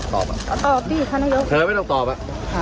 ฟังฟังหมายกกั้นไม่ต้องตอบไม่ต้องตอบเธอทำไม